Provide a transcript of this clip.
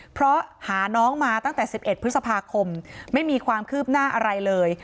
เพราะหาน้องมาตั้งแต่๑๑พฤษภาคมไม่มีความคืบหน้าอะไรเลย